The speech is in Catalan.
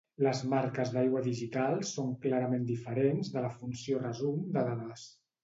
Les marques d'aigua digitals són clarament diferents de la funció resum de dades.